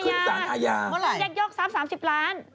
เมื่อไหนยักษ์ยกทรัพย์๓๐ล้าน